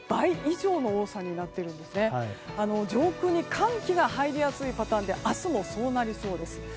上空に寒気が入りやすいパターンで明日もそうなりそうです。